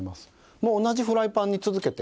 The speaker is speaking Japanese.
もう同じフライパンに続けて。